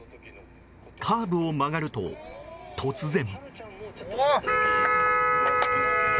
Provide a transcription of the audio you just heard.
カーブを曲がると突然。